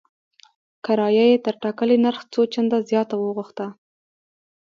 کرایه یې تر ټاکلي نرخ څو چنده زیاته وغوښته.